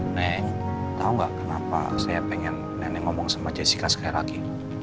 nenek tau gak kenapa saya pengen nenek ngomong sama jessica sekali lagi